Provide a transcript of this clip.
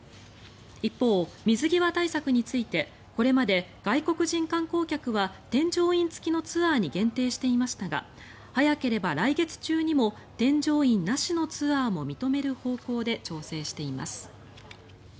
一方、水際対策についてこれまで外国人観光客は添乗員付きのツアーに限定していましたが早ければ来月中にも添乗員なしのツアーも認める方向で調整しています。